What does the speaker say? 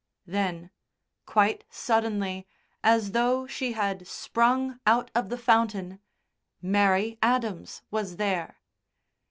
Then, quite suddenly, as though she had sprung out of the fountain, Mary Adams was there.